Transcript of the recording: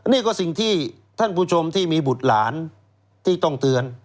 นี่ก็สิ่งที่ท่านผู้ชมที่มีบุตรหลานที่ต้องเตือน